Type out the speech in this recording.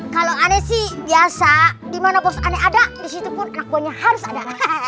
kalo aneh sih biasa dimana bos aneh ada disitu pun anak buahnya harus ada